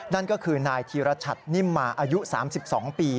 นั่นก็คือนายธีรชัตนิ่มมาอายุ๓๒ปี